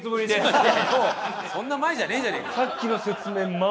そんな前じゃねえじゃねえか。